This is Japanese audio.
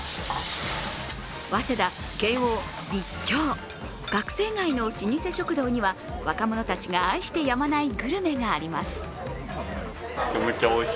早稲田、慶応、立教学生街の老舗食堂には若者たちが愛してやまないグルメがあります。